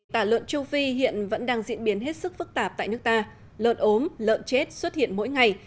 tả lợn châu phi hiện vẫn đang diễn biến hết sức phức tạp tại nước ta lợn ốm lợn chết xuất hiện mỗi ngày